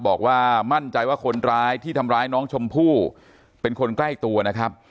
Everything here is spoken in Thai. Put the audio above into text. บอกว่ามั่นใจว่าคนร้ายที่ทำร้ายน้องชมพู่เป็นคนใกล้ตัวนะครับ